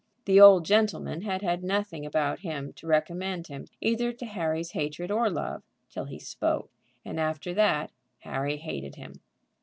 The old gentleman had had nothing about him to recommend him either to Harry's hatred or love till he spoke; and after that Harry hated him.